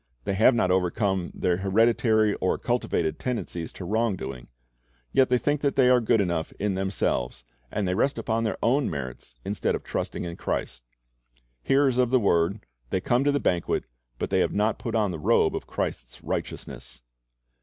They have not overcome their hereditary or cultivated tendencies to wrong doing. Yet they think that they are good enough in themselves, and they rest upon their own merits instead of trusting in Christ. Hearers of the word, they come to the banquet, but they have not put on the robe of Christ's righteousness.